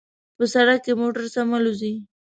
په سړک کې موټر سم الوزي